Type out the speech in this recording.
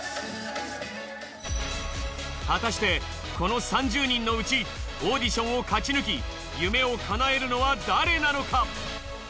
果たしてこの３０人のうちオーディションを勝ち抜き夢をかなえるのは誰なのか？